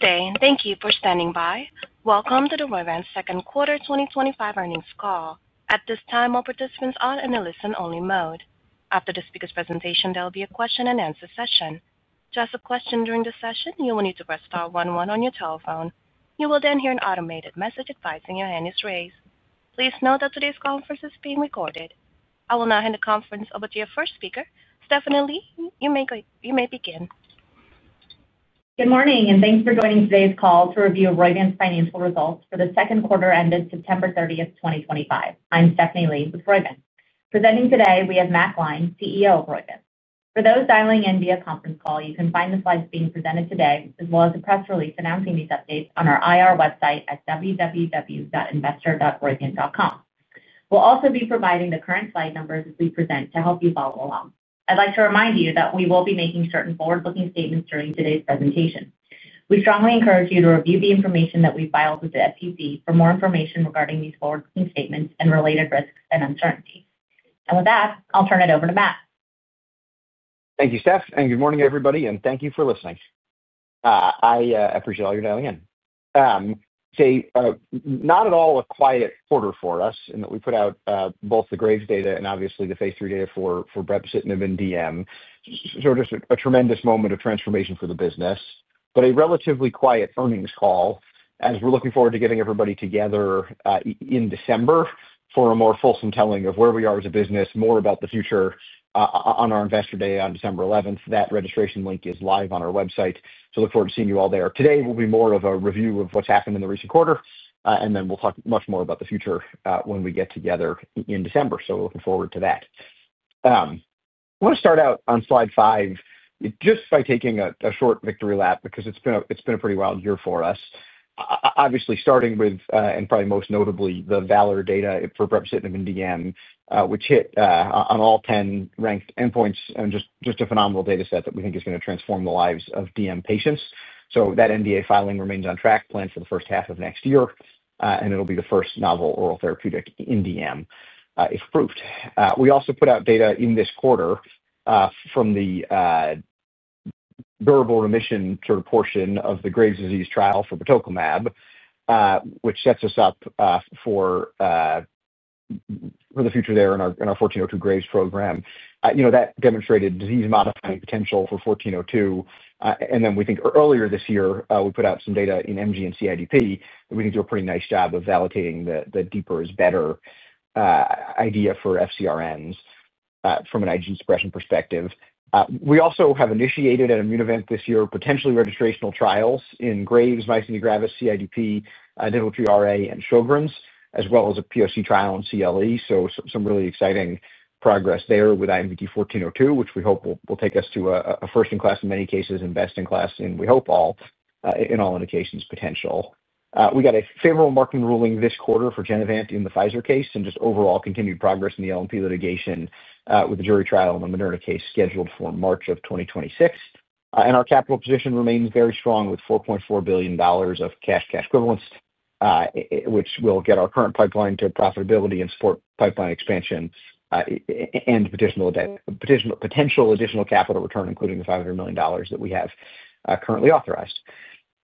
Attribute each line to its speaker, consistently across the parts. Speaker 1: Thank you for standing by. Welcome to the Roivant Second Quarter 2025 Earnings Call. At this time, all participants are in a listen-only mode. After the speaker's presentation, there will be a question-and-answer session. To ask a question during the session, you will need to press star one one on your telephone. You will then hear an automated message advising your hand is raised. Please note that today's conference is being recorded. I will now hand the conference over to your first speaker, Stephanie Lee. You may begin.
Speaker 2: Good morning, and thanks for joining today's call to review Roivant's financial results for the second quarter ended September 30, 2025. I'm Stephanie Lee with Roivant. Presenting today, we have Matt Gline, CEO of Roivant. For those dialing in via conference call, you can find the slides being presented today, as well as a press release announcing these updates on our IR website at www.investor.roivant.com. We'll also be providing the current slide numbers as we present to help you follow along. I would like to remind you that we will be making certain forward-looking statements during today's presentation. We strongly encourage you to review the information that we've filed with the SEC for more information regarding these forward-looking statements and related risks and uncertainties. With that, I'll turn it over to Matt.
Speaker 3: Thank you, Steph. Good morning, everybody. Thank you for listening. I appreciate all your dialing in. Not at all a quiet quarter for us in that we put out both the Graves' data and obviously the phase III data for Brepocitinib in DM. Just a tremendous moment of transformation for the business, but a relatively quiet earnings call as we're looking forward to getting everybody together in December for a more fulsome telling of where we are as a business, more about the future on our investor day on December 11th. That registration link is live on our website, so look forward to seeing you all there. Today will be more of a review of what's happened in the recent quarter, and then we'll talk much more about the future when we get together in December. We're looking forward to that. I want to start out on slide five just by taking a short victory lap because it's been a pretty wild year for us. Obviously, starting with, and probably most notably, the VALOR data for Brepocitinib in DM, which hit on all 10 ranked endpoints and just a phenomenal data set that we think is going to transform the lives of DM patients. That NDA filing remains on track, planned for the first half of next year, and it'll be the first novel oral therapeutic in DM, if approved. We also put out data in this quarter from the durable remission sort of portion of the Graves' disease trial for Batoclimab, which sets us up for the future there in our 1402 Graves' program. That demonstrated disease-modifying potential for 1402. Earlier this year, we put out some data in MG and CIDP that we think do a pretty nice job of validating the deeper is better idea for FcRns from an IgG suppression perspective. We also have initiated at Immunovant this year potentially registrational trials in Graves', myasthenia gravis, CIDP, dental tree RA, and Sjögren's, as well as a POC trial in CLE. Some really exciting progress there with IMVT-1402, which we hope will take us to a first-in-class in many cases and best-in-class, and we hope all in all indications potential. We got a favorable marketing ruling this quarter for Genevant in the Pfizer case and just overall continued progress in the LNP litigation with the jury trial in the Moderna case scheduled for March of 2026. Our capital position remains very strong with $4.4 billion of cash-cash equivalents, which will get our current pipeline to profitability and support pipeline expansion and potential additional capital return, including the $500 million that we have currently authorized.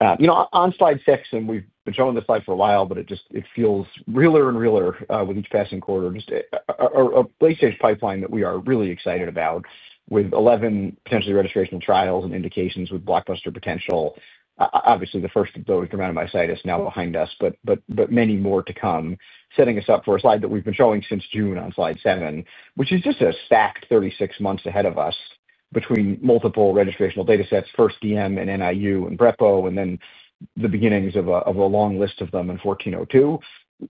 Speaker 3: On slide six, and we've been showing this slide for a while, but it just feels realer and realer with each passing quarter, just a late-stage pipeline that we are really excited about with 11 potentially registrational trials and indications with blockbuster potential. Obviously, the first of those dermatomyositis now behind us, but many more to come, setting us up for a slide that we've been showing since June on slide seven, which is just a stacked 36 months ahead of us between multiple registrational data sets, first DM and NIU and Brepo, and then the beginnings of a long list of them in 1402,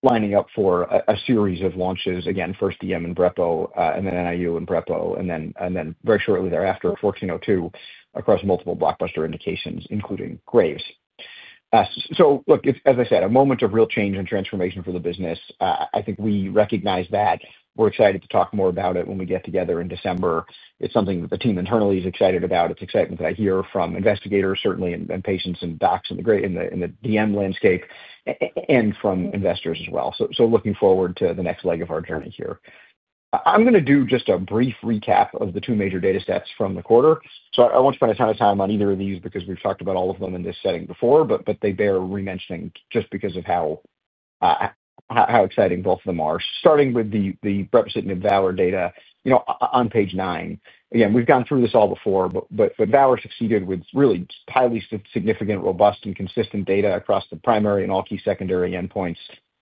Speaker 3: lining up for a series of launches, again, first DM and Brepo and then NIU and Brepo, and then very shortly thereafter, 1402 across multiple blockbuster indications, including Graves'. Look, as I said, a moment of real change and transformation for the business. I think we recognize that. We're excited to talk more about it when we get together in December. It's something that the team internally is excited about. It's excitement that I hear from investigators, certainly, and patients and docs in the DM landscape and from investors as well. Looking forward to the next leg of our journey here. I'm going to do just a brief recap of the two major data sets from the quarter. I won't spend a ton of time on either of these because we've talked about all of them in this setting before, but they bear re-mentioning just because of how exciting both of them are. Starting with the Brepocitinib and VALOR data on page nine. Again, we've gone through this all before, but VALOR succeeded with really highly significant, robust, and consistent data across the primary and all key secondary endpoints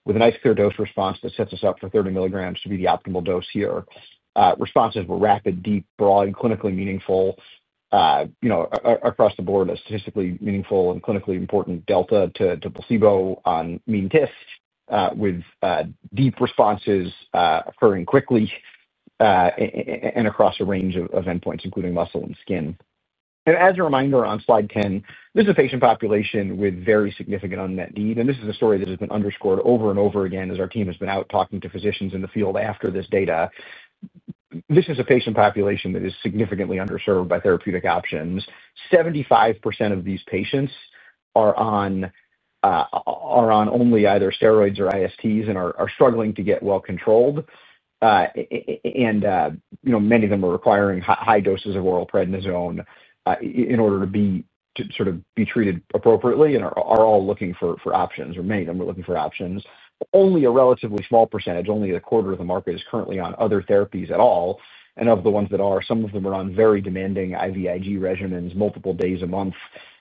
Speaker 3: with a nice clear dose response that sets us up for 30 mg to be the optimal dose here. Responses were rapid, deep, broad, and clinically meaningful across the board, a statistically meaningful and clinically important delta to placebo on mean TIF with deep responses occurring quickly and across a range of endpoints, including muscle and skin. As a reminder, on slide 10, this is a patient population with very significant unmet need. This is a story that has been underscored over and over again as our team has been out talking to physicians in the field after this data. This is a patient population that is significantly underserved by therapeutic options. 75% of these patients are on only either steroids or ISTs and are struggling to get well controlled. Many of them are requiring high doses of oral prednisone in order to sort of be treated appropriately and are all looking for options, or many of them are looking for options. Only a relatively small percentage, only a quarter of the market is currently on other therapies at all. Of the ones that are, some of them are on very demanding IVIG regimens, multiple days a month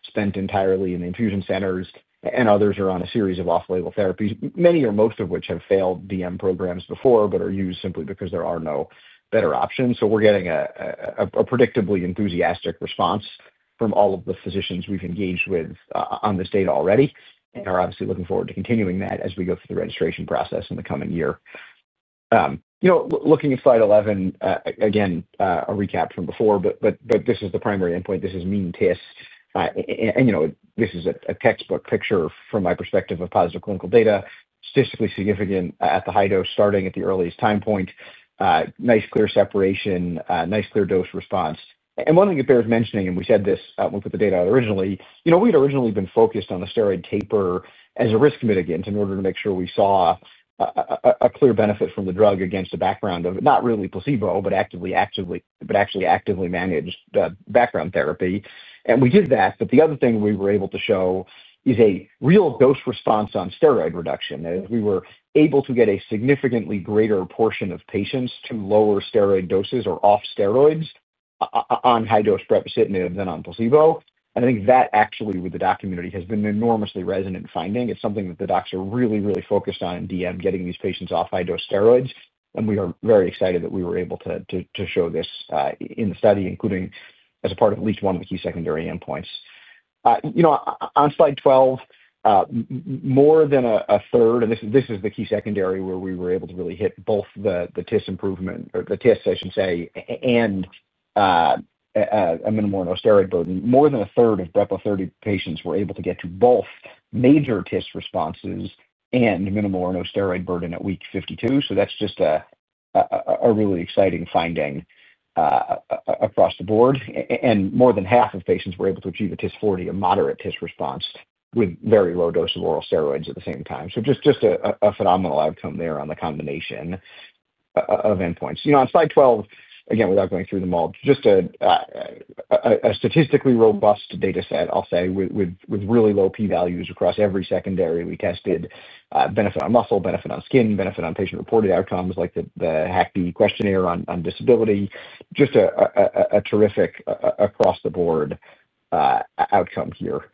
Speaker 3: spent entirely in infusion centers, and others are on a series of off-label therapies, many or most of which have failed DM programs before but are used simply because there are no better options. We are getting a predictably enthusiastic response from all of the physicians we have engaged with on this data already and are obviously looking forward to continuing that as we go through the registration process in the coming year. Looking at slide 11, again, a recap from before, but this is the primary endpoint. This is mean TIFs. This is a textbook picture from my perspective of positive clinical data, statistically significant at the high dose starting at the earliest time point, nice clear separation, nice clear dose response. One thing it bears mentioning, and we said this when we put the data out originally, we had originally been focused on the steroid taper as a risk mitigant in order to make sure we saw a clear benefit from the drug against a background of not really placebo, but actually actively managed background therapy. We did that, but the other thing we were able to show is a real dose response on steroid reduction as we were able to get a significantly greater portion of patients to lower steroid doses or off steroids on high-dose Brepocitinib than on placebo. I think that actually with the doc community has been an enormously resonant finding. It's something that the docs are really, really focused on in DM, getting these patients off high-dose steroids. We are very excited that we were able to show this in the study, including as a part of at least one of the key secondary endpoints. On slide 12, more than a third, and this is the key secondary where we were able to really hit both the TIF improvement, or the TIFs, I should say, and a minimal or no steroid burden. More than a third of Brepo30 patients were able to get to both major TIFs responses and minimal or no steroid burden at week 52. That's just a really exciting finding across the board. More than half of patients were able to achieve a TIF40, a moderate TIF response with very low dose of oral steroids at the same time. Just a phenomenal outcome there on the combination of endpoints. On slide 12, again, without going through them all, just a statistically robust data set, I'll say, with really low P-values across every secondary we tested, benefit on muscle, benefit on skin, benefit on patient-reported outcomes like the HACCP questionnaire on disability, just a terrific across-the-board outcome here.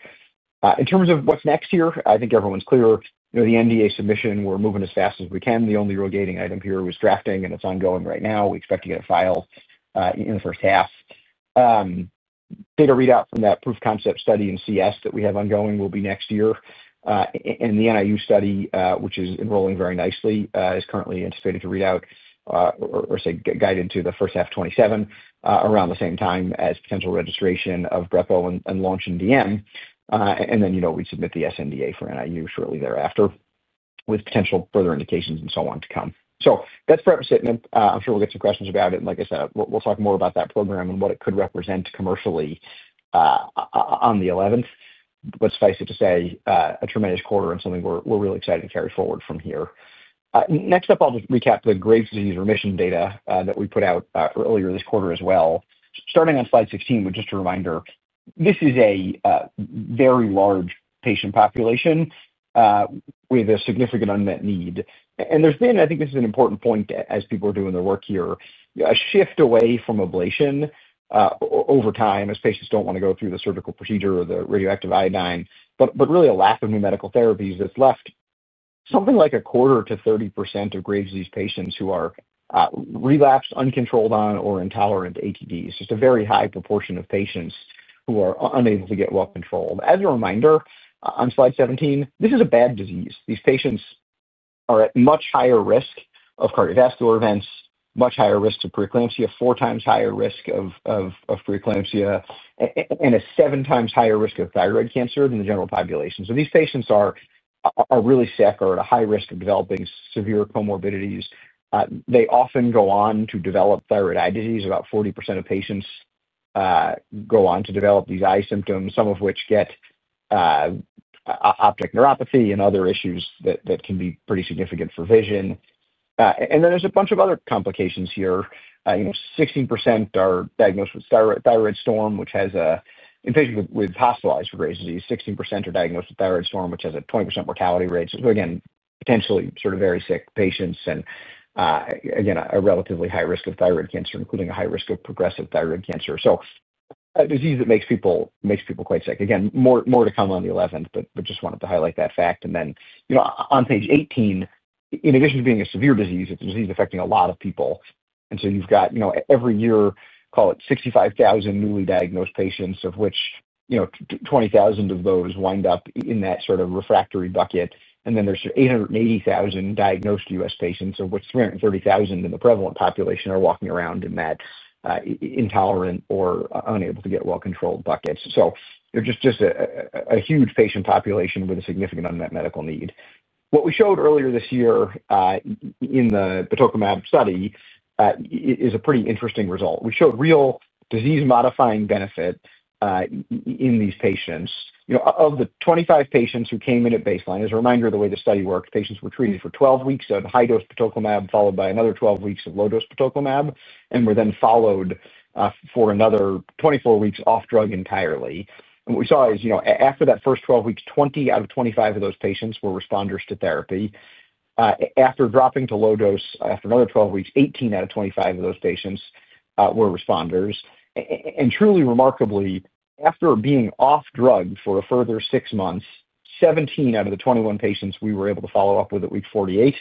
Speaker 3: In terms of what's next here, I think everyone's clear. The NDA submission, we're moving as fast as we can. The only rotating item here was drafting, and it's ongoing right now. We expect to get it filed in the first half. Data readout from that proof of concept study in CLE that we have ongoing will be next year. The NIU study, which is enrolling very nicely, is currently anticipated to read out or, say, get guided to the first half of 2027 around the same time as potential registration of Brepo and launch in DM. We would submit the SNDA for NIU shortly thereafter with potential further indications and so on to come. That is Brepo. I am sure we will get some questions about it. Like I said, we will talk more about that program and what it could represent commercially on the 11th. Suffice it to say, a tremendous quarter and something we are really excited to carry forward from here. Next up, I will just recap the Graves' disease remission data that we put out earlier this quarter as well. Starting on slide 16, but just a reminder, this is a very large patient population with a significant unmet need. I think this is an important point as people are doing their work here, a shift away from ablation over time as patients do not want to go through the surgical procedure or the radioactive iodine, but really a lack of new medical therapies that has left something like a quarter to 30% of Graves' disease patients who are relapsed, uncontrolled on, or intolerant to ATDs. Just a very high proportion of patients who are unable to get well controlled. As a reminder, on slide 17, this is a bad disease. These patients are at much higher risk of cardiovascular events, much higher risk of preeclampsia, four times higher risk of preeclampsia, and a seven times higher risk of thyroid cancer than the general population. These patients are really sick or at a high risk of developing severe comorbidities. They often go on to develop thyroid eye disease. About 40% of patients go on to develop these eye symptoms, some of which get optic neuropathy and other issues that can be pretty significant for vision. There is a bunch of other complications here. 16% are diagnosed with thyroid storm, which has a patient with hospitalized for Graves' disease. 16% are diagnosed with thyroid storm, which has a 20% mortality rate. Again, potentially sort of very sick patients and again, a relatively high risk of thyroid cancer, including a high risk of progressive thyroid cancer. A disease that makes people quite sick. More to come on the 11th, but just wanted to highlight that fact. On page 18, in addition to being a severe disease, it's a disease affecting a lot of people. You have every year, call it 65,000 newly diagnosed patients, of which 20,000 of those wind up in that sort of refractory bucket. There are 880,000 diagnosed U.S. patients, of which 330,000 in the prevalent population are walking around in that intolerant or unable to get well-controlled bucket. It is just a huge patient population with a significant unmet medical need. What we showed earlier this year in the Batoclimab study is a pretty interesting result. We showed real disease-modifying benefit in these patients. Of the 25 patients who came in at baseline, as a reminder, the way the study worked, patients were treated for 12 weeks of high-dose Batoclimab followed by another 12 weeks of low-dose Batoclimab, and were then followed for another 24 weeks off drug entirely. What we saw is after that first 12 weeks, 20 out of 25 of those patients were responders to therapy. After dropping to low dose, after another 12 weeks, 18 out of 25 of those patients were responders. Truly remarkably, after being off drug for a further six months, 17 out of the 21 patients we were able to follow up with at week 48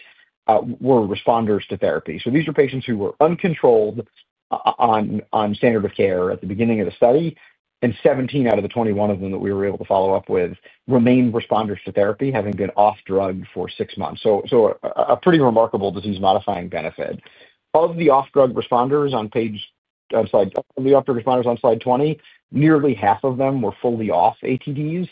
Speaker 3: were responders to therapy. These are patients who were uncontrolled on standard of care at the beginning of the study, and 17 out of the 21 of them that we were able to follow up with remained responders to therapy, having been off drug for six months. A pretty remarkable disease-modifying benefit. Of the off-drug responders on page on slide. Of the off-drug responders on slide 20, nearly half of them were fully off ATDs,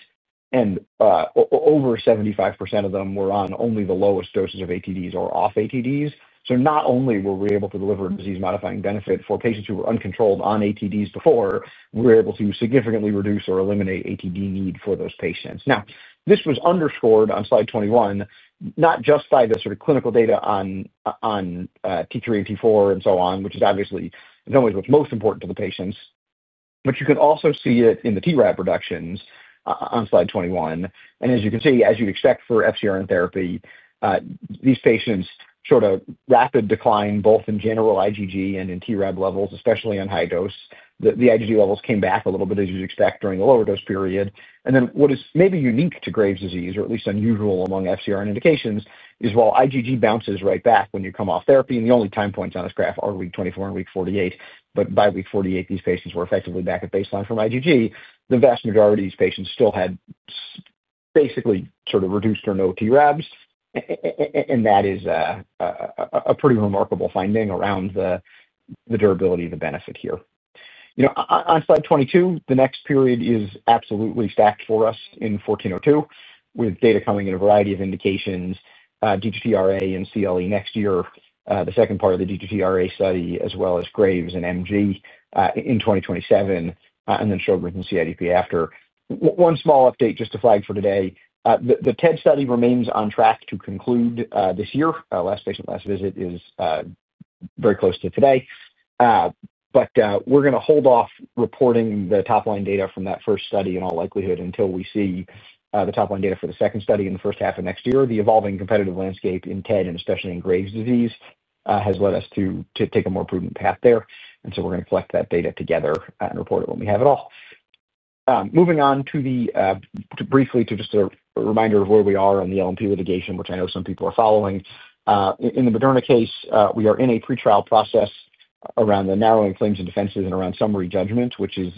Speaker 3: and over 75% of them were on only the lowest doses of ATDs or off ATDs. Not only were we able to deliver a disease-modifying benefit for patients who were uncontrolled on ATDs before, we were able to significantly reduce or eliminate ATD need for those patients. This was underscored on slide 21, not just by the sort of clinical data on T3 and T4 and so on, which is obviously in some ways what's most important to the patients, but you can also see it in the TRAb reductions on slide 21. As you can see, as you'd expect for FcRn therapy, these patients showed a rapid decline both in general IgG and in TRAb levels, especially on high dose. The IgG levels came back a little bit, as you'd expect, during the lower dose period. What is maybe unique to Graves' disease, or at least unusual among FcRn indications, is while IgG bounces right back when you come off therapy, and the only time points on this graph are week 24 and week 48, by week 48, these patients were effectively back at baseline from IgG. The vast majority of these patients still had basically sort of reduced or no TRAbs. That is a pretty remarkable finding around the durability of the benefit here. On slide 22, the next period is absolutely stacked for us in 1402 with data coming in a variety of indications, DGTRA and CLE next year, the second part of the DGTRA study, as well as Graves' and MG in 2027, and then Sjögren's and CIDP after. One small update, just a flag for today. The TED study remains on track to conclude this year. Last patient, last visit is very close to today. We are going to hold off reporting the top-line data from that first study in all likelihood until we see the top-line data for the second study in the first half of next year. The evolving competitive landscape in TED, and especially in Graves' disease, has led us to take a more prudent path there. We are going to collect that data together and report it when we have it all. Moving on briefly to just a reminder of where we are on the LNP litigation, which I know some people are following. In the Moderna case, we are in a pretrial process around the narrowing claims and defenses and around summary judgment, which is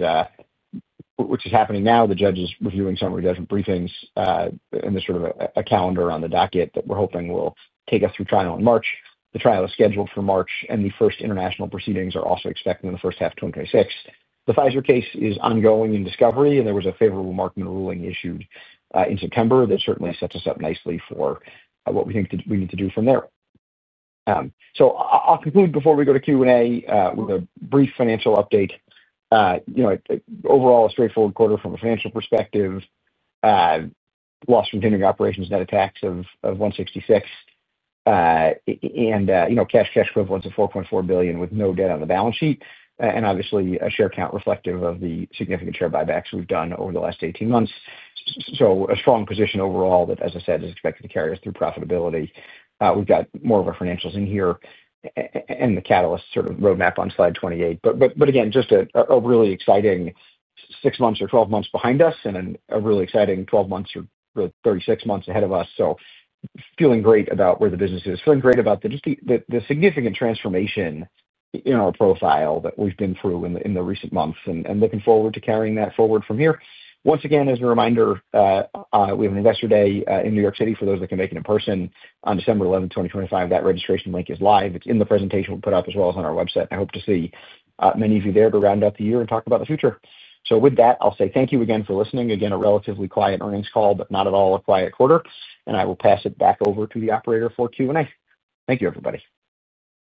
Speaker 3: happening now. The judge is reviewing summary judgment briefings and there's sort of a calendar on the docket that we're hoping will take us through trial in March. The trial is scheduled for March, and the first international proceedings are also expected in the first half of 2026. The Pfizer case is ongoing in discovery, and there was a favorable marginal ruling issued in September that certainly sets us up nicely for what we think we need to do from there. I will conclude before we go to Q&A with a brief financial update. Overall, a straightforward quarter from a financial perspective, loss from continuing operations net of tax of $166 million, and cash and cash equivalents of $4.4 billion with no debt on the balance sheet, and obviously a share count reflective of the significant share buybacks we've done over the last 18 months. A strong position overall that, as I said, is expected to carry us through profitability. We've got more of our financials in here and the catalyst sort of roadmap on slide 28. Again, just a really exciting 6 months or 12 months behind us and a really exciting 12 months or 36 months ahead of us. Feeling great about where the business is, feeling great about the significant transformation in our profile that we've been through in the recent months and looking forward to carrying that forward from here. Once again, as a reminder, we have an investor day in New York City for those that can make it in person on December 11, 2025. That registration link is live. It's in the presentation we'll put up as well as on our website. I hope to see many of you there to round up the year and talk about the future. With that, I'll say thank you again for listening. Again, a relatively quiet earnings call, but not at all a quiet quarter. I will pass it back over to the operator for Q&A. Thank you, everybody.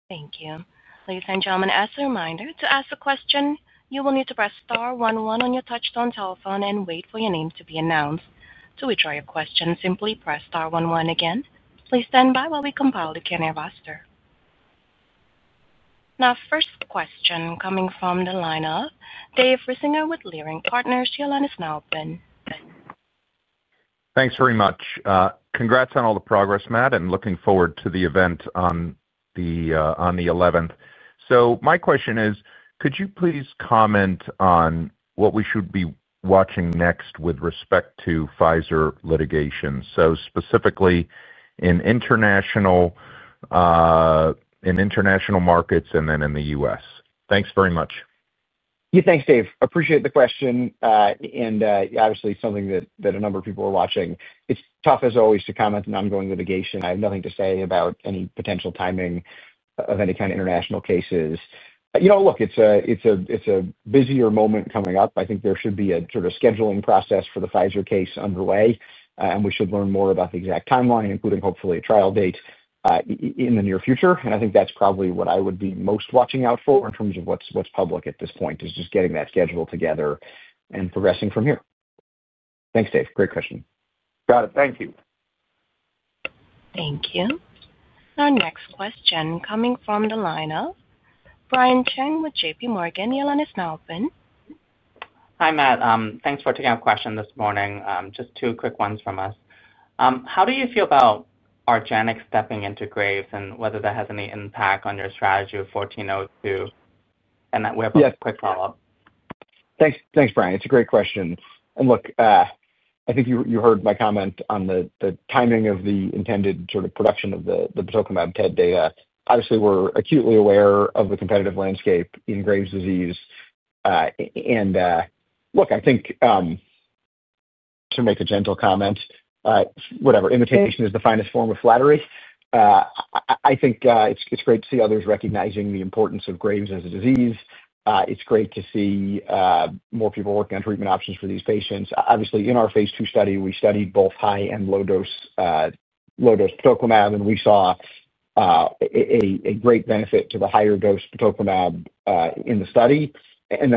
Speaker 1: Thank you. Please find your own as a reminder to ask a question. You will need to press star one one on your touch-tone telephone and wait for your name to be announced. To withdraw your question, simply press star one one again. Please stand by while we compile the queue roster. Now, first question coming from the lineup, Dave Risinger with Leerink Partners, your line is now open.
Speaker 4: Thanks very much. Congrats on all the progress, Matt, and looking forward to the event on the 11th. My question is, could you please comment on what we should be watching next with respect to Pfizer litigation? Specifically in international markets and then in the U.S. Thanks very much.
Speaker 3: Yeah, thanks, Dave. Appreciate the question. Obviously, something that a number of people are watching. It's tough, as always, to comment on ongoing litigation. I have nothing to say about any potential timing of any kind of international cases. Look, it's a busier moment coming up. I think there should be a sort of scheduling process for the Pfizer case underway, and we should learn more about the exact timeline, including hopefully a trial date in the near future. I think that's probably what I would be most watching out for in terms of what's public at this point, just getting that schedule together and progressing from here. Thanks, Dave. Great question.
Speaker 4: Got it. Thank you.
Speaker 1: Thank you. Our next question coming from the lineup, Brian Cheng with JPMorgan, the line is now open.
Speaker 5: Hi, Matt. Thanks for taking our question this morning. Just two quick ones from us. How do you feel about Argenx stepping into Graves' and whether that has any impact on your strategy of 1402? And we have a quick follow-up.
Speaker 3: Thanks, Brian. It's a great question. Look, I think you heard my comment on the timing of the intended sort of production of the Batoclimab TED data. Obviously, we're acutely aware of the competitive landscape in Graves' disease. I think to make a gentle comment, whatever, imitation is the finest form of flattery. I think it's great to see others recognizing the importance of Graves' as a disease. It's great to see more people working on treatment options for these patients. Obviously, in our phase II study, we studied both high and low-dose Batoclimab, and we saw a great benefit to the higher dose Batoclimab in the study.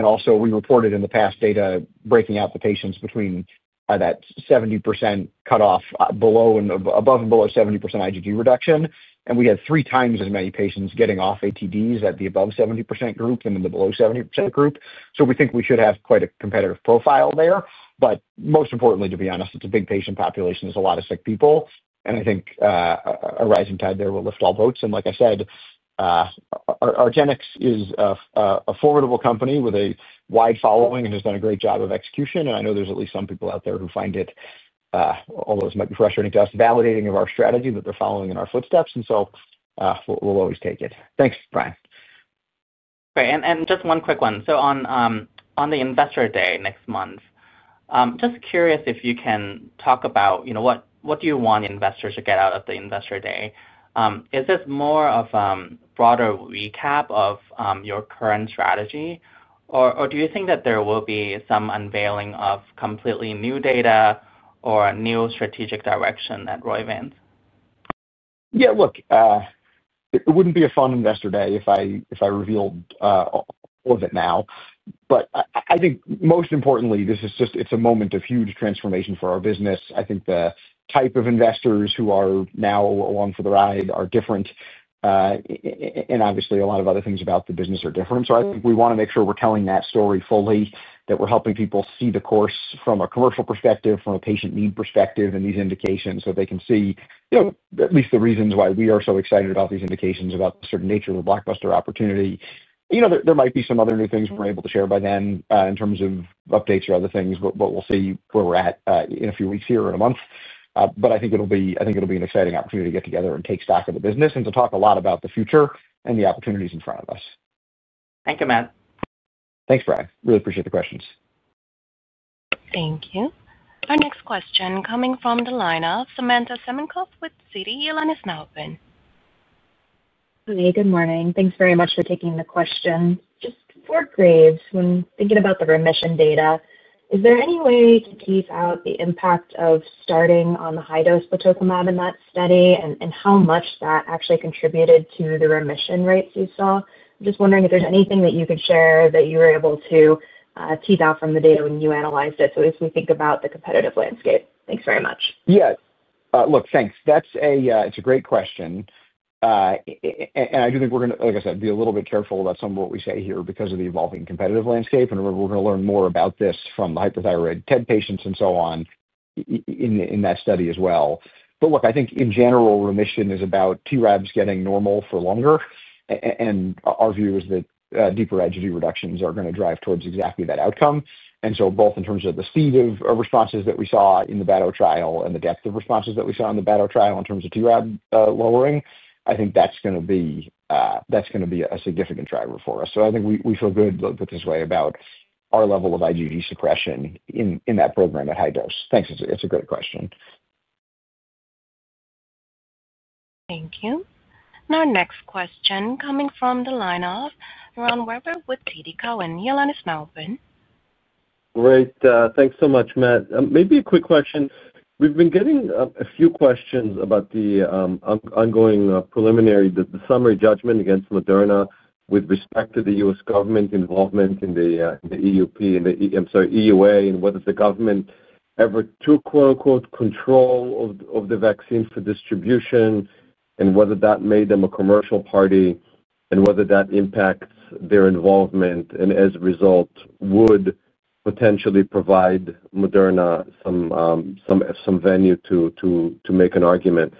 Speaker 3: Also, we reported in the past data breaking out the patients between that 70% cutoff above and below 70% IgG reduction. We had three times as many patients getting off ATDs in the above 70% group as in the below 70% group. We think we should have quite a competitive profile there. Most importantly, to be honest, it's a big patient population. There's a lot of sick people. I think a rising tide there will lift all boats. Like I said, Argenx is a formidable company with a wide following and has done a great job of execution. I know there's at least some people out there who find it, although it might be frustrating to us, validating of our strategy that they're following in our footsteps. We'll always take it. Thanks, Brian.
Speaker 5: Okay. Just one quick one. On the investor day next month, just curious if you can talk about what you want investors to get out of the investor day. Is this more of a broader recap of your current strategy, or do you think that there will be some unveiling of completely new data or a new strategic direction at Roivant?
Speaker 3: Yeah, look, it wouldn't be a fun investor day if I revealed all of it now. I think most importantly, this is just a moment of huge transformation for our business. I think the type of investors who are now along for the ride are different. Obviously, a lot of other things about the business are different. I think we want to make sure we're telling that story fully, that we're helping people see the course from a commercial perspective, from a patient need perspective in these indications so they can see at least the reasons why we are so excited about these indications, about the sort of nature of the blockbuster opportunity. There might be some other new things we're able to share by then in terms of updates or other things, but we'll see where we're at in a few weeks here or in a month. I think it'll be an exciting opportunity to get together and take stock of the business and to talk a lot about the future and the opportunities in front of us.
Speaker 5: Thank you, Matt.
Speaker 3: Thanks, Brian. Really appreciate the questions.
Speaker 1: Thank you. Our next question coming from the lineup, Samantha Semenkow with Citi your line is now open.
Speaker 6: Hi, good morning. Thanks very much for taking the question. Just for Graves', when thinking about the remission data, is there any way to tease out the impact of starting on the high-dose Batoclimab in that study and how much that actually contributed to the remission rates you saw? I'm just wondering if there's anything that you could share that you were able to tease out from the data when you analyzed it, so as we think about the competitive landscape. Thanks very much.
Speaker 3: Yeah. Look, thanks. That's a great question. And I do think we're going to, like I said, be a little bit careful about some of what we say here because of the evolving competitive landscape. We are going to learn more about this from the hyperthyroid TED patients and so on in that study as well. I think in general, remission is about TRAbs getting normal for longer. Our view is that deeper IgG reductions are going to drive towards exactly that outcome. Both in terms of the speed of responses that we saw in the Bato trial and the depth of responses that we saw in the Bato trial in terms of TRAb lowering, I think that is going to be a significant driver for us. I think we feel good, let's put it this way, about our level of IgG suppression in that program at high dose. Thanks. It's a great question.
Speaker 1: Thank you. Our next question coming from the lineup, Ron Werber with TD Cowen your line is now open.
Speaker 7: Great. Thanks so much, Matt. Maybe a quick question. We've been getting a few questions about the ongoing preliminary, the summary judgment against Moderna with respect to the U.S. government involvement in the EUA, and whether the government ever took "control" of the vaccine for distribution and whether that made them a commercial party and whether that impacts their involvement and as a result would potentially provide Moderna some venue to make an argument.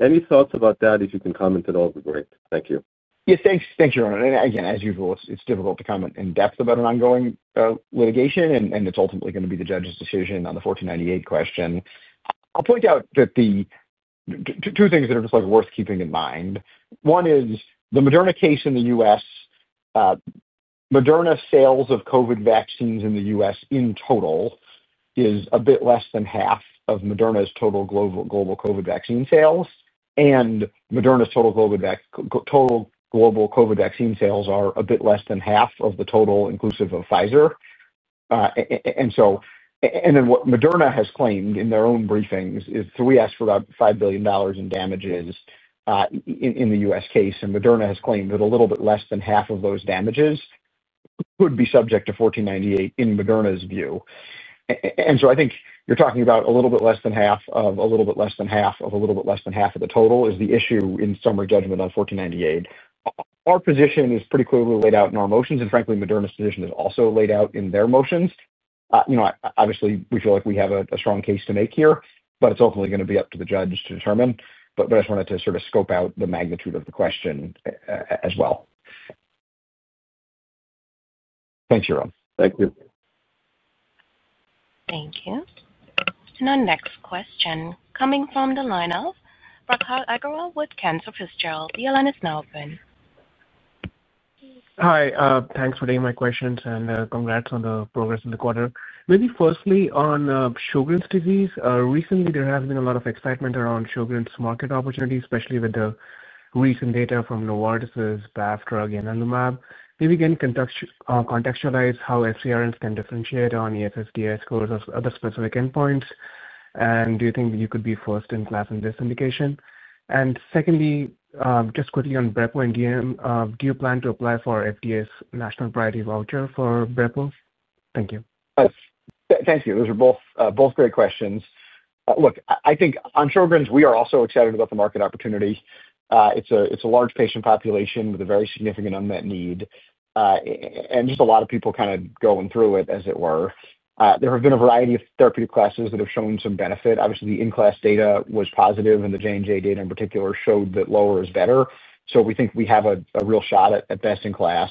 Speaker 7: Any thoughts about that? If you can comment at all, it'd be great. Thank you.
Speaker 3: Yeah, thanks. Thank you, Ronald. Again, as usual, it's difficult to comment in depth about an ongoing litigation, and it's ultimately going to be the judge's decision on the 1498 question. I'll point out that the two things that are just worth keeping in mind. One is the Moderna case in the U.S. Moderna sales of COVID vaccines in the U.S. In total is a bit less than half of Moderna's total global COVID vaccine sales. Moderna's total global COVID vaccine sales are a bit less than half of the total inclusive of Pfizer. What Moderna has claimed in their own briefings is, we asked for about $5 billion in damages in the U.S. case, and Moderna has claimed that a little bit less than half of those damages could be subject to 1498 in Moderna's view. I think you're talking about a little bit less than half of a little bit less than half of a little bit less than half of the total is the issue in summary judgment on 1498. Our position is pretty clearly laid out in our motions, and frankly, Moderna's position is also laid out in their motions. Obviously, we feel like we have a strong case to make here, but it's ultimately going to be up to the judge to determine. I just wanted to sort of scope out the magnitude of the question as well.
Speaker 7: Thanks, Jerome. Thank you.
Speaker 1: Thank you. Our next question coming from the lineup, [Haggarwell] with [Cancer Physician], your line is now open.
Speaker 8: Hi. Thanks for taking my questions and congrats on the progress in the quarter. Maybe firstly on Sjögren's disease, recently there has been a lot of excitement around Sjögren's market opportunity, especially with the recent data from Novartis' BAFF drug ianalumab. Maybe we can contextualize how SCRNs can differentiate on ESSDAI scores or other specific endpoints. Do you think you could be first in class in this indication? Secondly, just quickly on Brepo and DM, do you plan to apply for FDA's national priority voucher for Brepo? Thank you.
Speaker 3: Thank you. Those are both great questions. Look, I think on Sjögren's, we are also excited about the market opportunity. It's a large patient population with a very significant unmet need. And just a lot of people kind of going through it, as it were. There have been a variety of therapeutic classes that have shown some benefit. Obviously, the in-class data was positive, and the J&J data in particular showed that lower is better. We think we have a real shot at best in class.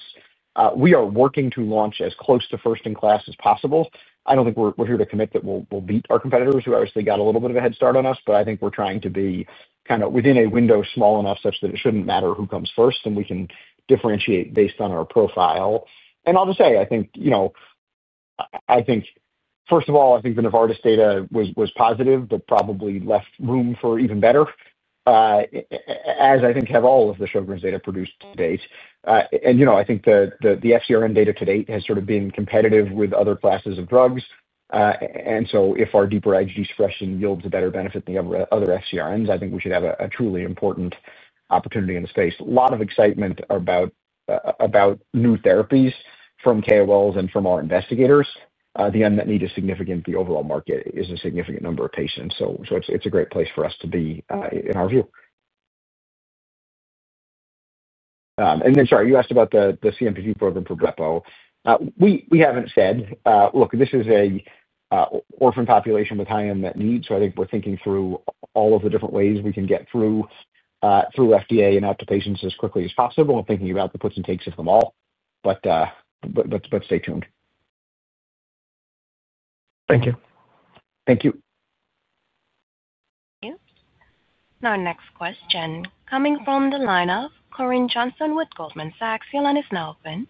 Speaker 3: We are working to launch as close to first in class as possible. I don't think we're here to commit that we'll beat our competitors, who obviously got a little bit of a head start on us. I think we're trying to be kind of within a window small enough such that it shouldn't matter who comes first, and we can differentiate based on our profile. I'll just say, I think, first of all, I think the Novartis data was positive, but probably left room for even better, as I think have all of the Sjögren's data produced to date. I think the FcRn data to date has sort of been competitive with other classes of drugs. If our deeper IgG suppression yields a better benefit than the other FcRns, I think we should have a truly important opportunity in the space. A lot of excitement about new therapies from KOLs and from our investigators. The unmet need is significant. The overall market is a significant number of patients. It is a great place for us to be in our view. Sorry, you asked about the CMPP program for Brepo. We have not said. Look, this is an orphan population with high unmet needs. I think we are thinking through all of the different ways we can get through FDA and out to patients as quickly as possible and thinking about the puts and takes of them all. Stay tuned. Thank you.
Speaker 8: Thank you.
Speaker 1: Thank you. Our next question coming from the lineup, Corinne Johnson with Goldman Sachs, your line is now open.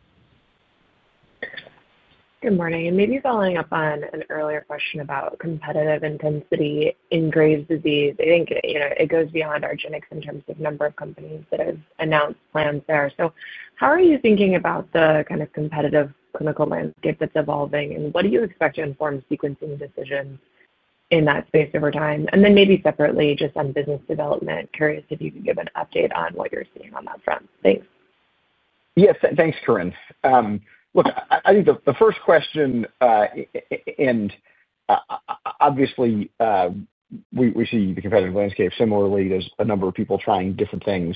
Speaker 9: Good morning. Maybe following up on an earlier question about competitive intensity in Graves' disease, I think it goes beyond Argenx in terms of number of companies that have announced plans there. How are you thinking about the kind of competitive clinical landscape that's evolving, and what do you expect to inform sequencing decisions in that space over time? Maybe separately, just on business development, curious if you could give an update on what you're seeing on that front. Thanks.
Speaker 3: Yes. Thanks, Corinne. Look, I think the first question, and obviously, we see the competitive landscape. Similarly, there's a number of people trying different things,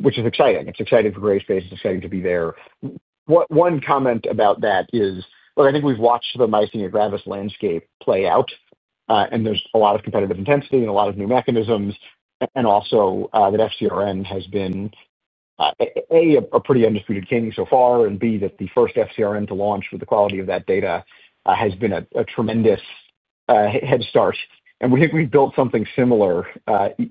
Speaker 3: which is exciting. It's exciting for Graves' space. It's exciting to be there. One comment about that is, look, I think we've watched the myositis landscape play out, and there's a lot of competitive intensity and a lot of new mechanisms. Also, that FcRn has been, A, a pretty undisputed king so far, and B, that the first FcRn to launch with the quality of that data has been a tremendous head start. We think we've built something similar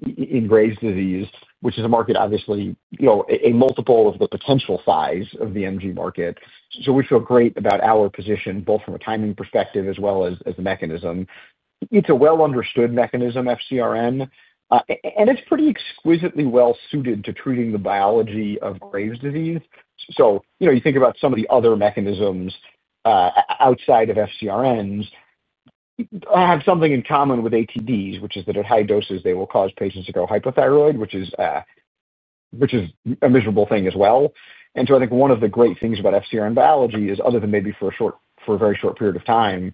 Speaker 3: in Graves' disease, which is a market, obviously, a multiple of the potential size of the MG market. We feel great about our position, both from a timing perspective as well as the mechanism. It's a well-understood mechanism, FcRn. It's pretty exquisitely well-suited to treating the biology of Graves' disease. You think about some of the other mechanisms outside of FcRns, I have something in common with ATDs, which is that at high doses, they will cause patients to go hyperthyroid, which is a miserable thing as well. I think one of the great things about FcRn biology is, other than maybe for a very short period of time,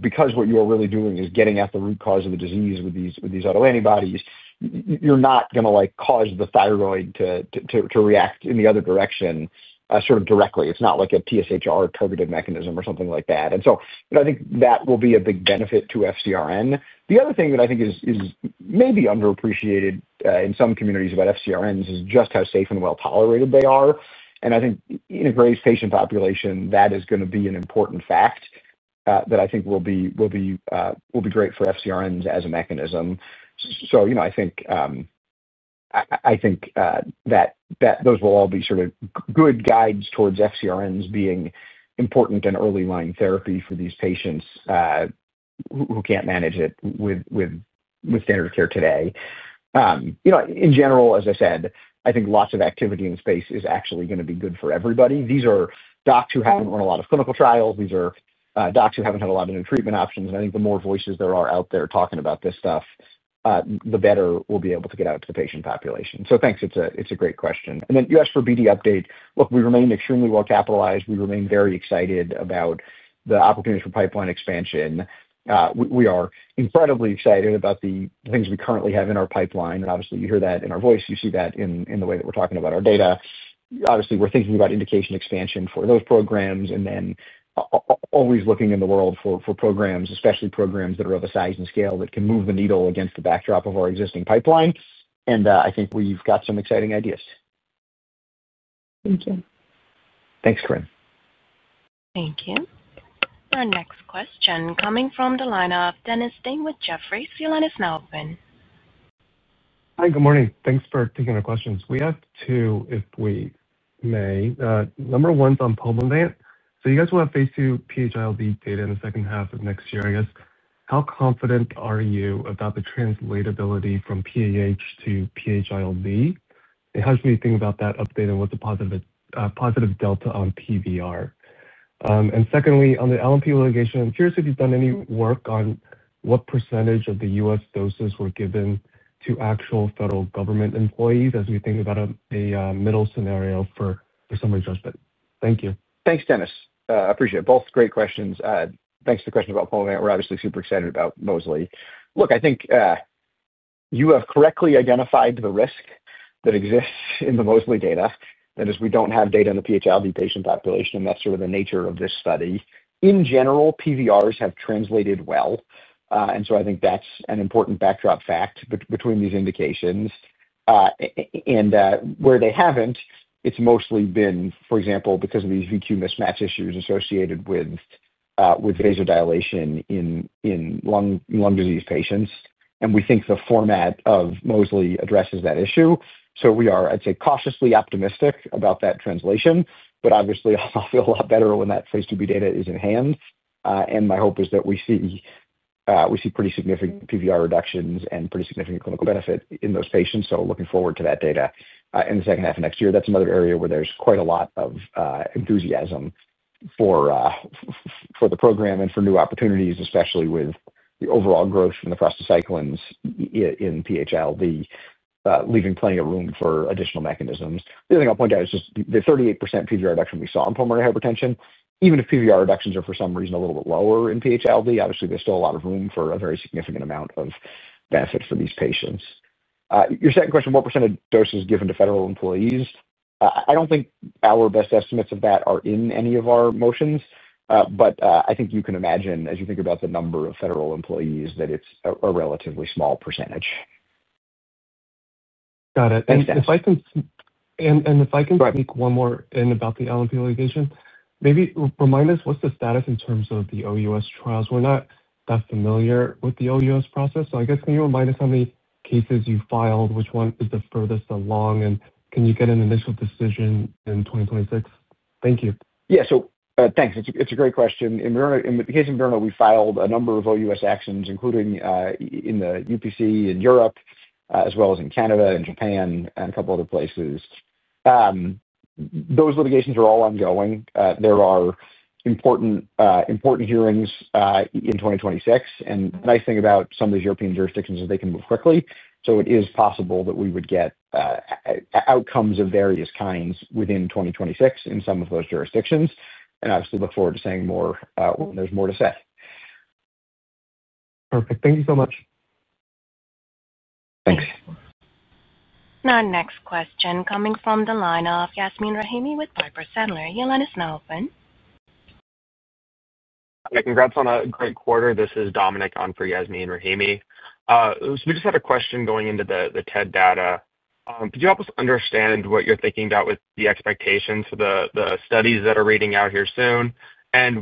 Speaker 3: because what you are really doing is getting at the root cause of the disease with these autoantibodies, you're not going to cause the thyroid to react in the other direction sort of directly. It's not like a TSHR targeted mechanism or something like that. I think that will be a big benefit to FcRn. The other thing that I think is maybe underappreciated in some communities about FcRns is just how safe and well-tolerated they are. I think in a Graves' patient population, that is going to be an important fact that I think will be great for FcRns as a mechanism. I think that those will all be sort of good guides towards FcRns being important and early line therapy for these patients who can't manage it with standard of care today. In general, as I said, I think lots of activity in the space is actually going to be good for everybody. These are docs who haven't run a lot of clinical trials. These are docs who haven't had a lot of new treatment options. I think the more voices there are out there talking about this stuff, the better we'll be able to get out to the patient population. Thanks. It's a great question. You asked for BD update. Look, we remain extremely well-capitalized. We remain very excited about the opportunities for pipeline expansion. We are incredibly excited about the things we currently have in our pipeline. Obviously, you hear that in our voice. You see that in the way that we're talking about our data. Obviously, we're thinking about indication expansion for those programs and then always looking in the world for programs, especially programs that are of a size and scale that can move the needle against the backdrop of our existing pipeline. I think we've got some exciting ideas.
Speaker 9: Thank you.
Speaker 3: Thanks, Corinne.
Speaker 1: Thank you. Our next question coming from the lineup, Dennis Ding with Jeffrey your line is now open.
Speaker 10: Hi, good morning. Thanks for taking our questions. We have two, if we may. Number one is on Pulmovant. You guys will have phase II PHILD data in the second half of next year, I guess. How confident are you about the translatability from PAH to PHILD? How should we think about that update and what's a positive delta on PVR? Secondly, on the LNP litigation, curious if you've done any work on what percentage of the U.S. doses were given to actual federal government employees as we think about a middle scenario for summary judgment. Thank you.
Speaker 3: Thanks, Dennis. I appreciate it. Both great questions. Thanks for the question about Pulmovant. We're obviously super excited about mosliciguat. Look, I think you have correctly identified the risk that exists in the mosliciguat data. That is, we don't have data on the PHILD patient population, and that's sort of the nature of this study. In general, PVRs have translated well. I think that's an important backdrop fact between these indications. Where they haven't, it's mostly been, for example, because of these VQ mismatch issues associated with vasodilation in lung disease patients. We think the format of mosliciguat addresses that issue. We are, I'd say, cautiously optimistic about that translation. Obviously, I'll feel a lot better when that phase II B data is in hand. My hope is that we see pretty significant PVR reductions and pretty significant clinical benefit in those patients. Looking forward to that data in the second half of next year. That's another area where there's quite a lot of enthusiasm for the program and for new opportunities, especially with the overall growth in the prostacyclines in PHILD, leaving plenty of room for additional mechanisms. The other thing I'll point out is just the 38% PVR reduction we saw in pulmonary hypertension. Even if PVR reductions are for some reason a little bit lower in PHILD, obviously, there's still a lot of room for a very significant amount of benefit for these patients. Your second question, what % of doses given to federal employees? I do not think our best estimates of that are in any of our motions, but I think you can imagine, as you think about the number of federal employees, that it is a relatively small percentage.
Speaker 10: Got it. If I can speak one more in about the LNP litigation, maybe remind us what is the status in terms of the OUS trials. We are not that familiar with the OUS process. I guess can you remind us how many cases you filed? Which one is the furthest along? Can you get an initial decision in 2026? Thank you.
Speaker 3: Yeah. Thanks. It is a great question. In the case of Moderna, we filed a number of OUS actions, including in the UPC in Europe, as well as in Canada and Japan and a couple of other places. Those litigations are all ongoing. There are important hearings in 2026. The nice thing about some of these European jurisdictions is they can move quickly. It is possible that we would get outcomes of various kinds within 2026 in some of those jurisdictions. I still look forward to saying more when there's more to say.
Speaker 10: Perfect. Thank you so much.
Speaker 3: Thanks.
Speaker 1: Our next question coming from the line of Yasmin Rahimi with [Brepocitinib], your line is now open.
Speaker 11: Congrats on a great quarter. This is Dominic on for Yasmin Rahimi. We just have a question going into the TED data. Could you help us understand what you're thinking about with the expectations for the studies that are reading out here soon?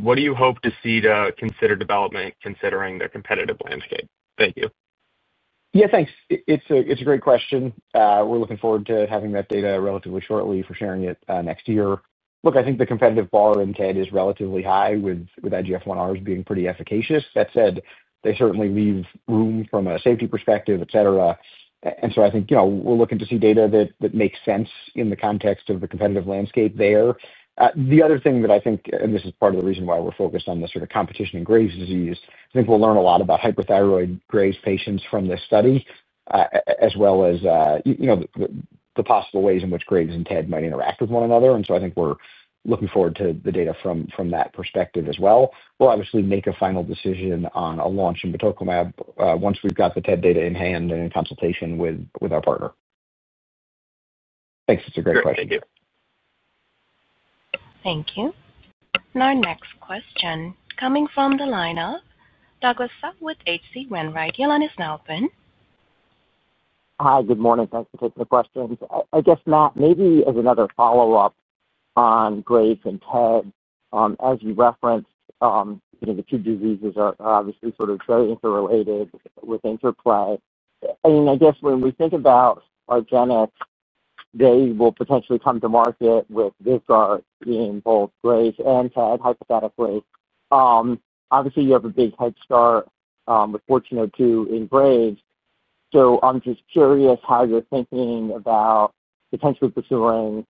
Speaker 11: What do you hope to see to consider development considering the competitive landscape? Thank you.
Speaker 3: Yeah, thanks. It's a great question. We're looking forward to having that data relatively shortly for sharing it next year. I think the competitive bar in TED is relatively high with IGF1Rs being pretty efficacious. That said, they certainly leave room from a safety perspective, etc. I think we're looking to see data that makes sense in the context of the competitive landscape there. The other thing that I think, and this is part of the reason why we're focused on the sort of competition in Graves' disease, I think we'll learn a lot about hyperthyroid Graves' patients from this study, as well as the possible ways in which Graves' and TED might interact with one another. I think we're looking forward to the data from that perspective as well. We'll obviously make a final decision on a launch in metoclopramide once we've got the TED data in hand and in consultation with our partner. Thanks. It's a great question.
Speaker 11: Thank you.
Speaker 1: Thank you. Our next question coming from the lineup, Douglas Tsao with H.C. Wainwright, your line is now open.
Speaker 12: Hi, good morning. Thanks for taking the question. I guess, Matt, maybe as another follow-up on Graves' and TED, as you referenced, the two diseases are obviously sort of very interrelated with interplay. I mean, I guess when we think about Argenx, they will potentially come to market with VISAR being both Graves' and TED hypothetically. Obviously, you have a big head start with 1402 in Graves'. I'm just curious how you're thinking about potentially pursuing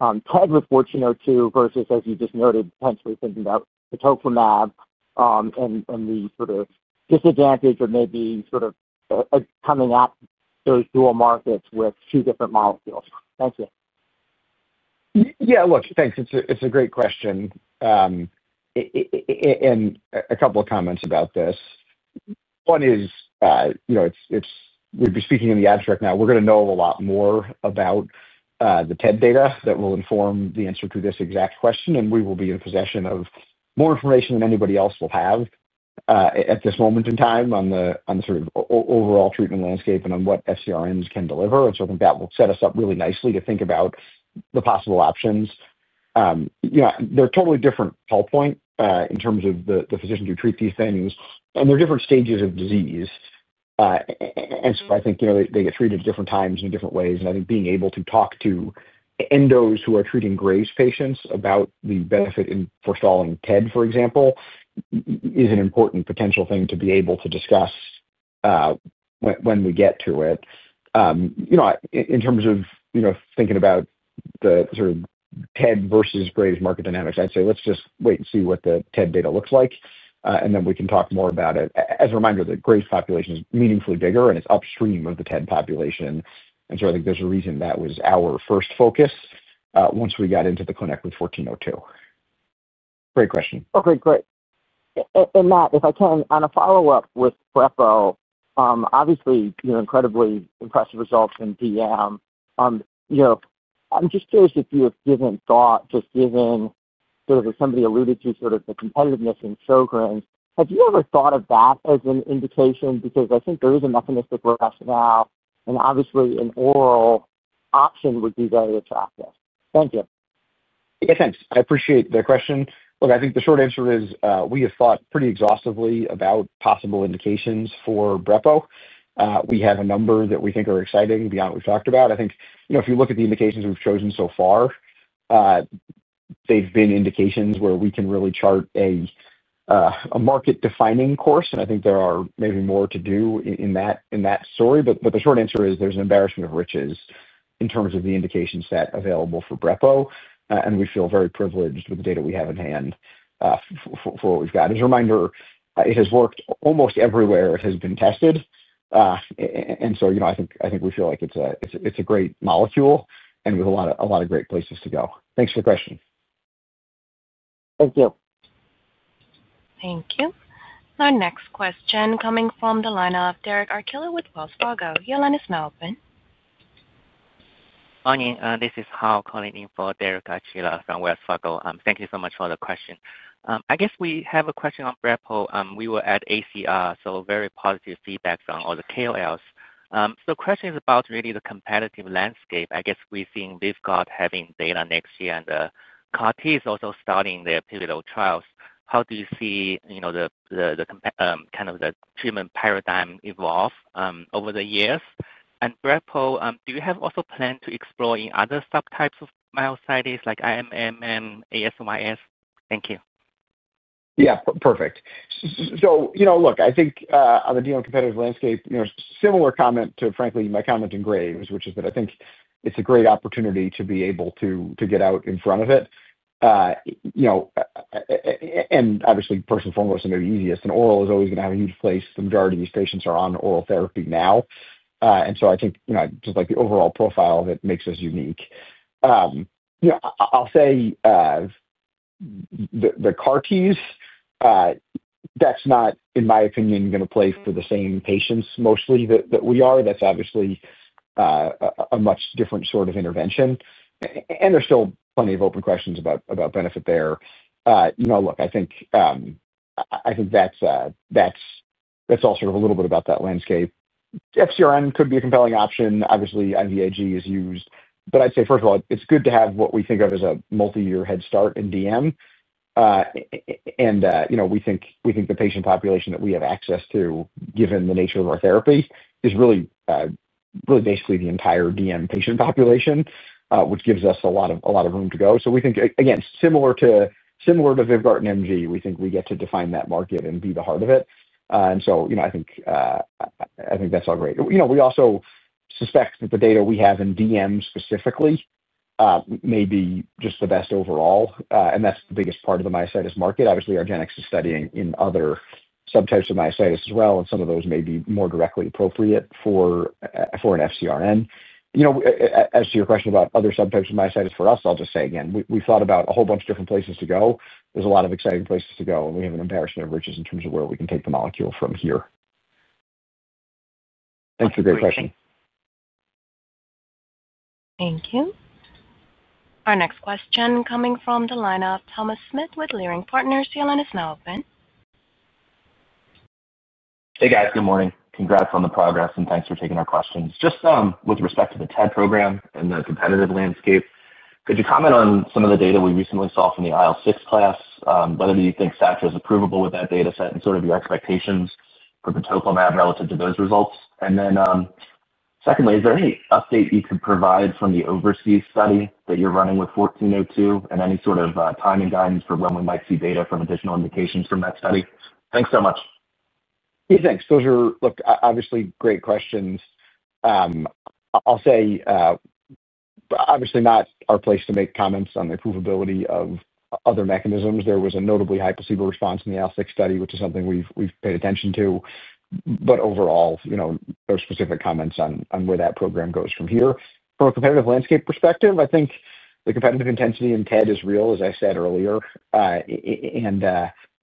Speaker 12: TED with 1402 versus, as you just noted, potentially thinking about metoclopramide and the sort of disadvantage of maybe sort of coming at those dual markets with two different molecules. Thank you.
Speaker 3: Yeah. Look, thanks. It's a great question. A couple of comments about this. One is, we've been speaking in the abstract now. We're going to know a lot more about the TED data that will inform the answer to this exact question. We will be in possession of more information than anybody else will have at this moment in time on the sort of overall treatment landscape and on what FcRns can deliver. I think that will set us up really nicely to think about the possible options. They're totally different. Pulp point in terms of the physicians who treat these things. They're different stages of disease. I think they get treated at different times in different ways. I think being able to talk to endos who are treating Graves' patients about the benefit in forestalling TED, for example, is an important potential thing to be able to discuss when we get to it. In terms of thinking about the sort of TED versus Graves' market dynamics, I'd say let's just wait and see what the TED data looks like, and then we can talk more about it. As a reminder, the Graves' population is meaningfully bigger, and it's upstream of the TED population. I think there's a reason that was our first focus once we got into the clinic with 1402. Great question.
Speaker 12: Okay. Great. Matt, if I can, on a follow-up with Brepo, obviously, you have incredibly impressive results in DM. I'm just curious if you have given thought, just given sort of as somebody alluded to sort of the competitiveness in Sjögren's, have you ever thought of that as an indication? Because I think there is a mechanistic rationale, and obviously, an oral option would be very attractive. Thank you.
Speaker 3: Yeah, thanks. I appreciate the question. Look, I think the short answer is we have thought pretty exhaustively about possible indications for Brepo. We have a number that we think are exciting beyond what we've talked about. I think if you look at the indications we've chosen so far, they've been indications where we can really chart a market-defining course. I think there are maybe more to do in that story. The short answer is there's an embarrassment of riches in terms of the indication set available for Brepo. We feel very privileged with the data we have in hand for what we've got. As a reminder, it has worked almost everywhere it has been tested. I think we feel like it's a great molecule and with a lot of great places to go. Thanks for the question.
Speaker 12: Thank you.
Speaker 3: Thank you.
Speaker 1: Our next question coming from the lineup, Derek Archila with Wells Fargo, your line is now open.
Speaker 13: Good morning. This is Hau calling in for Derek Archila from Wells Fargo. Thank you so much for the question. I guess we have a question on Brepo. We were at ACR, so very positive feedback on all the KOLs. The question is about really the competitive landscape. I guess we've seen Viscot having data next year, and CAR-T is also starting their pivotal trials. How do you see the kind of the treatment paradigm evolve over the years? Brepo, do you have also planned to explore in other subtypes of myositis like IMMM, ASyS? Thank you.
Speaker 3: Yeah. Perfect. Look, I think on the deal on competitive landscape, similar comment to, frankly, my comment in Graves', which is that I think it's a great opportunity to be able to get out in front of it. Obviously, first and foremost, it may be easiest. An oral is always going to have a huge place. The majority of these patients are on oral therapy now. I think just like the overall profile of it makes us unique. I'll say the CAR-Ts, that's not, in my opinion, going to play for the same patients mostly that we are. That's obviously a much different sort of intervention. There are still plenty of open questions about benefit there. Look, I think that's all sort of a little bit about that landscape. FcRn could be a compelling option. Obviously, IVIG is used. I'd say, first of all, it's good to have what we think of as a multi-year head start in DM. We think the patient population that we have access to, given the nature of our therapy, is really basically the entire DM patient population, which gives us a lot of room to go. We think, again, similar to Vyvgart and MG, we think we get to define that market and be the heart of it. I think that's all great. We also suspect that the data we have in DM specifically may be just the best overall. That's the biggest part of the myositis market. Obviously, Argenx is studying in other subtypes of myositis as well. Some of those may be more directly appropriate for an FcRn. As to your question about other subtypes of myositis for us, I'll just say again, we've thought about a whole bunch of different places to go. There's a lot of exciting places to go. We have an embarrassment of riches in terms of where we can take the molecule from here. Thanks for the great question. Thank you. Our next question coming from the lineup, Thomas Smith with Leerink Partners, your line is now open.
Speaker 14: Hey, guys. Good morning. Congrats on the progress. Thanks for taking our questions. Just with respect to the TED program and the competitive landscape, could you comment on some of the data we recently saw from the IL-6 class? Whether you think [SATRA] is approvable with that data set and sort of your expectations for metoclopramide relative to those results? And then secondly, is there any update you could provide from the overseas study that you're running with 1402 and any sort of timing guidance for when we might see data from additional indications from that study? Thanks so much.
Speaker 3: Yeah, thanks. Those are, look, obviously great questions. I'll say, obviously, not our place to make comments on the provability of other mechanisms. There was a notably high placebo response in the IL6 study, which is something we've paid attention to. Overall, no specific comments on where that program goes from here. From a competitive landscape perspective, I think the competitive intensity in TED is real, as I said earlier.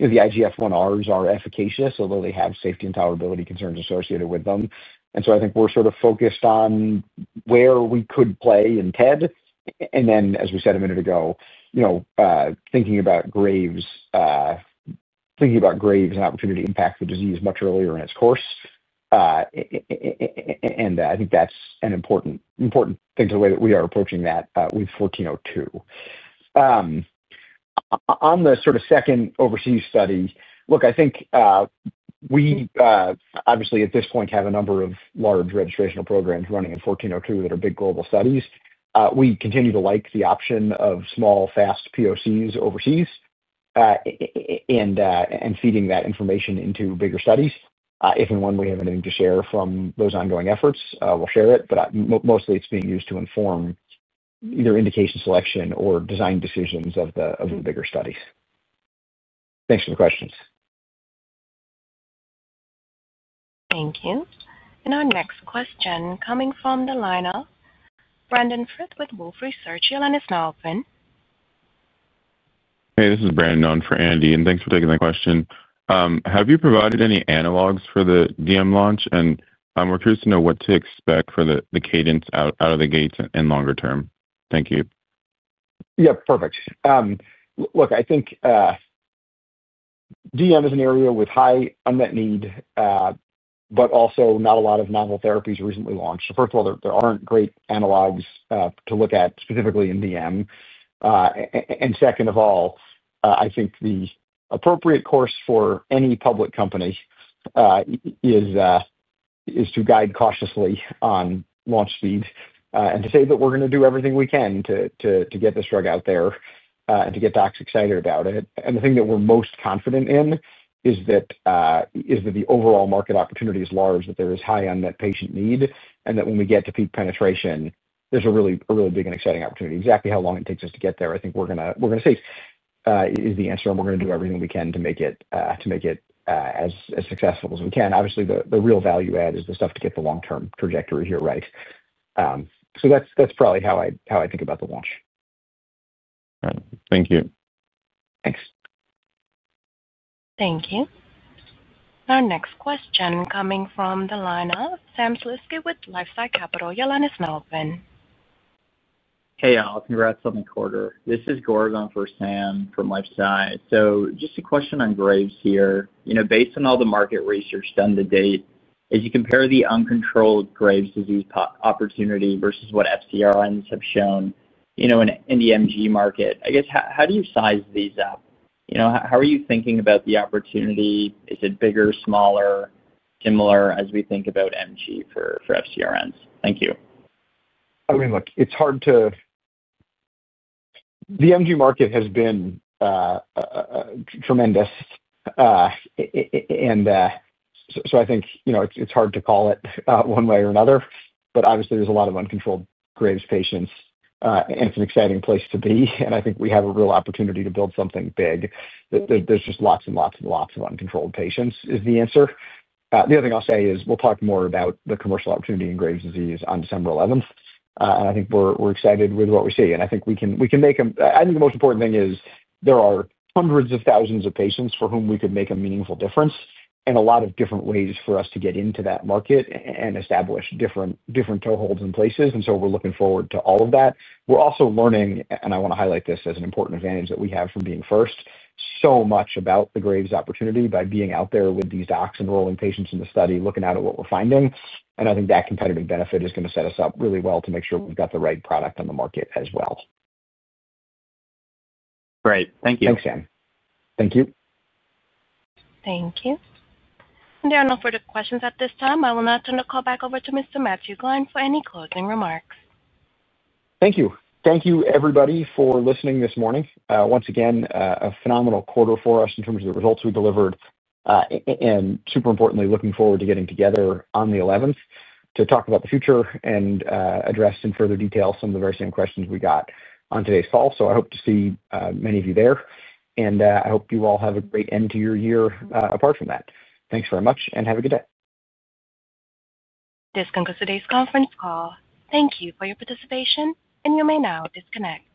Speaker 3: The IGF1Rs are efficacious, although they have safety and tolerability concerns associated with them. I think we're sort of focused on where we could play in TED. As we said a minute ago, thinking about Graves', thinking about Graves' opportunity to impact the disease much earlier in its course. I think that's an important thing to the way that we are approaching that with 1402. On the sort of second overseas study, look, I think we obviously at this point have a number of large registrational programs running in 1402 that are big global studies. We continue to like the option of small, fast POCs overseas and feeding that information into bigger studies. If and when we have anything to share from those ongoing efforts, we'll share it. Mostly, it's being used to inform either indication selection or design decisions of the bigger studies. Thanks for the questions.
Speaker 1: Thank you. Our next question coming from the lineup, Brandon Frith with Wolfe Research, your line is now open.
Speaker 15: Hey, this is Brandon for Andy. Thanks for taking the question. Have you provided any analogs for the DM launch? We're curious to know what to expect for the cadence out of the gates and longer term. Thank you.
Speaker 3: Yeah. Perfect. Look, I think DM is an area with high unmet need, but also not a lot of novel therapies recently launched. First of all, there aren't great analogs to look at specifically in DM. Second of all, I think the appropriate course for any public company is to guide cautiously on launch speed and to say that we're going to do everything we can to get this drug out there and to get docs excited about it. The thing that we're most confident in is that the overall market opportunity is large, that there is high unmet patient need, and that when we get to peak penetration, there's a really big and exciting opportunity. Exactly how long it takes us to get there, I think we're going to see is the answer. We're going to do everything we can to make it as successful as we can. Obviously, the real value add is the stuff to get the long-term trajectory here right. That's probably how I think about the launch.
Speaker 15: Thank you.
Speaker 3: Thanks.
Speaker 1: Thank you. Our next question coming from the lineup, Sam Sliski with Lifesize Capital, your line is now open.
Speaker 16: Hey, Hau. Congrats on the quarter. This is Gorazon for Sam from Lifesize. Just a question on Graves' here. Based on all the market research done to date, as you compare the uncontrolled Graves' disease opportunity versus what FcRns have shown in the MG market, I guess, how do you size these up? How are you thinking about the opportunity? Is it bigger, smaller, similar as we think about MG for FcRns? Thank you.
Speaker 3: I mean, look, it's hard to—the MG market has been tremendous. I think it's hard to call it one way or another. Obviously, there's a lot of uncontrolled Graves' patients. It's an exciting place to be. I think we have a real opportunity to build something big. There's just lots and lots and lots of uncontrolled patients is the answer. The other thing I'll say is we'll talk more about the commercial opportunity in Graves' disease on December 11th. I think we're excited with what we see. I think we can make them. I think the most important thing is there are hundreds of thousands of patients for whom we could make a meaningful difference and a lot of different ways for us to get into that market and establish different toeholds and places. We are looking forward to all of that. We are also learning, and I want to highlight this as an important advantage that we have from being first, so much about the Graves' opportunity by being out there with these docs enrolling patients in the study, looking out at what we are finding. I think that competitive benefit is going to set us up really well to make sure we have got the right product on the market as well.
Speaker 16: Great. Thank you.
Speaker 3: Thanks, Sam.
Speaker 16: Thank you.
Speaker 1: Thank you. There are no further questions at this time. I will now turn the call back over to Mr. Matthew Gline for any closing remarks.
Speaker 3: Thank you. Thank you, everybody, for listening this morning. Once again, a phenomenal quarter for us in terms of the results we delivered. And super importantly, looking forward to getting together on the 11th to talk about the future and address in further detail some of the very same questions we got on today's call. I hope to see many of you there. I hope you all have a great end to your year apart from that. Thanks very much, and have a good day.
Speaker 1: This concludes today's conference call. Thank you for your participation, and you may now disconnect.